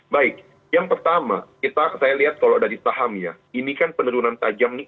baik yang pertama saya lihat kalau dari saham ya ini kan penurunan tajam ini